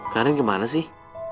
karin kemana sih